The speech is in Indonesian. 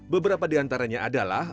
beberapa di antaranya adalah